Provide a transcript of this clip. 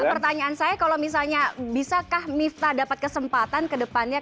pertanyaan saya kalau misalnya bisakah miftah dapat kesempatan ke depannya